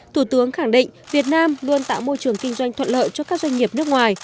thủ tướng khẳng định việt nam luôn tạo môi trường kinh doanh thuận lợi cho các doanh nghiệp nước ngoài